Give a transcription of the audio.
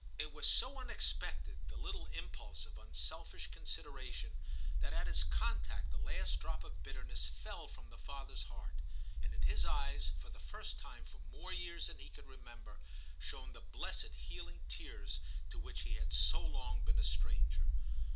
It was so unexpected, the little impulse of unselfish consideration, that at its contact the last drop of bitterness fell from the father's heart, and in his eyes for the first time for more years than he could remember shone the blessed healing tears to which he had so long been a stranger.